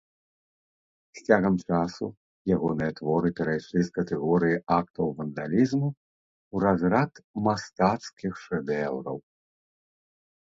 З цягам часу ягоныя творы перайшлі з катэгорыі актаў вандалізму ў разрад мастацкіх шэдэўраў.